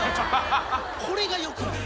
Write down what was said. これがよくない。